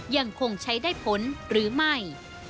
ยังคงใช้ได้ผลหรือไม่